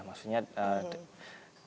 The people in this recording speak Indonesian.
maksudnya pengalaman di bandung